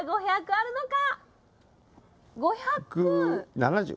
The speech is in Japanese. あるのか？